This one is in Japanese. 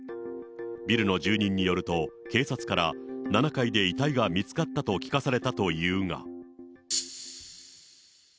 ビルの住人によると、警察から７階で遺体が見つかったと聞かされたというが。